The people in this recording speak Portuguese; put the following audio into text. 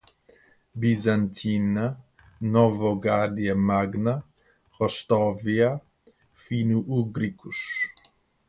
bizantina, Novogárdia Magna, Rostóvia, fino-úgricos